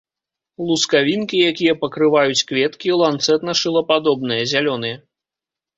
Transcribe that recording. Лускавінкі, якія пакрываюць кветкі, ланцэта-шылападобныя, зялёныя.